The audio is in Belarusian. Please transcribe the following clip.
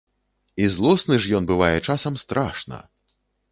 І злосны ж ён бывае часам страшна!